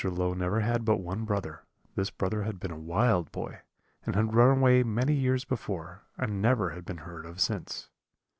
Low never had but one brother; this brother had been a wild boy, and had run away many years before, and never had been heard of since.